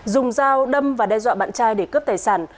dùng dao đâm và đe dọa bạn trai để cướp tài sản